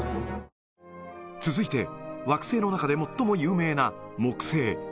続いて、惑星の中で最も有名な木星。